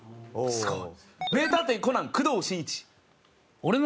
すごい！